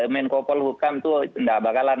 menkopol hukum itu tidak bakalan